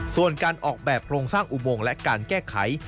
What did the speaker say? ส่วนการออกแบบโครงสร้างอุโมงและการแก้ไข